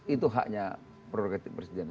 itu haknya prerogatif presiden